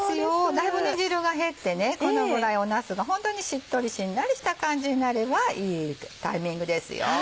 だいぶ煮汁が減ってこのぐらいなすがホントにしっとりしんなりした感じになればいいタイミングですよ。